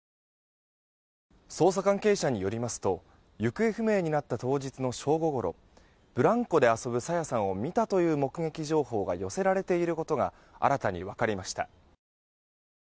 捜査関係者によりますと行方不明になった当日の正午ごろブランコで遊ぶ朝芽さんを見たという目撃情報が寄せられていることが新たに分かりました。